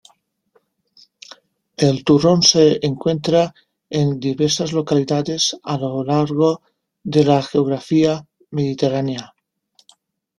El turrón se encuentra en diversas localidades a lo largo de la geografía mediterránea.